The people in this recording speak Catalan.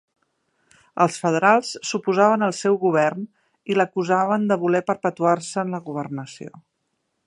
Els federals s'oposaven al seu govern, i l'acusaven de voler perpetuar-se en la governació.